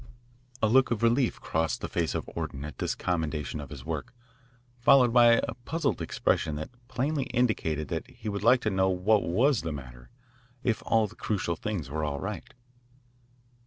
A look of relief crossed the face of Orton at this commendation of his work, followed by a puzzled expression that plainly indicated that he would like to know what was the matter, if all the crucial things were all right.